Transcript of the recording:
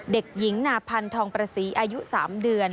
เด็กหญิงนาพันธองประศรีอายุ๓เดือน